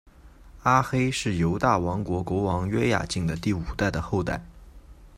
阿黑是犹大王国国王约雅敬的第五代的后代。